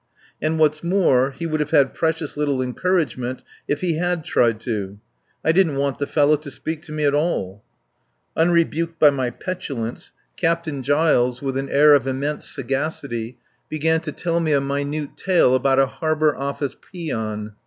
And what's more he would have had precious little encouragement if he had tried to. I didn't want the fellow to speak to me at all. Unrebuked by my petulance, Captain Giles, with an air of immense sagacity, began to tell me a minute tale about a Harbour Office peon.